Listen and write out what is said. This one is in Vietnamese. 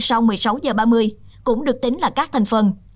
sau một mươi sáu h ba mươi cũng được tính là các thành phần